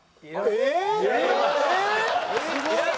えっ？